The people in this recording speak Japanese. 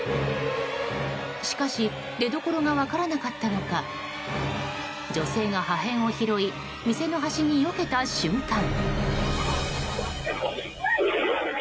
しかし、出どころが分からなかったのか女性が破片を拾い店の端によけた瞬間。